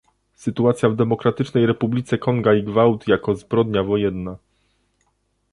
Sytuacja w Demokratycznej Republice Konga i gwałt jako zbrodnia wojenna